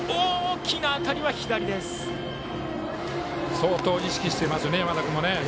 相当、意識していますね山田君。